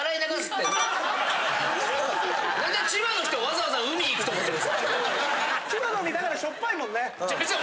なんで千葉の人わざわざ海行くと思ってんすか。